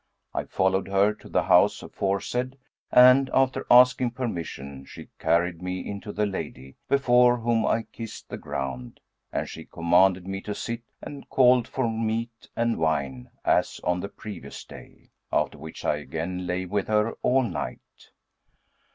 I followed her to the house aforesaid and, after asking permission, she carried me into the lady, before whom I kissed the ground, and she commanded me to sit and called for meat and wine as on the previous day; after which I again lay with her all night.